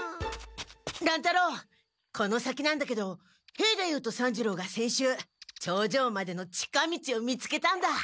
乱太郎この先なんだけど兵太夫と三治郎が先週頂上までの近道を見つけたんだ！